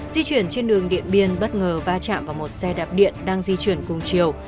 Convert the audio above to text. di chuyển trên đường điện biên bất ngờ va chạm vào một xe đạp điện đang di chuyển cùng chiều